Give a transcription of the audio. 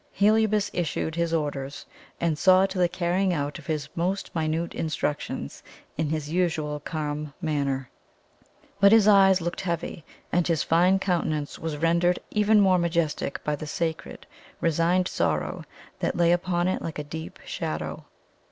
Heliobas issued his orders, and saw to the carrying out of his most minute instructions in his usual calm manner; but his eyes looked heavy, and his fine countenance was rendered even more majestic by the sacred, resigned sorrow that lay upon it like a deep shadow.